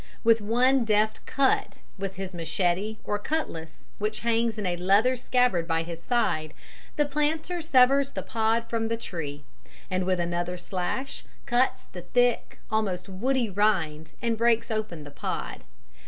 With one deft cut with his machete or cutlass, which hangs in a leather scabbard by his side, the planter severs the pod from the tree, and with another slash cuts the thick, almost woody rind and breaks open the pod.